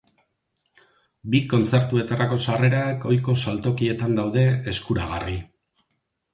Bi kontzertuetarako sarrerak ohiko saltokietan daude eskuragarri.